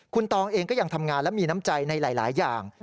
คุณตองเองก็ยังทำงานและมีน้ำใจในหลายอย่าง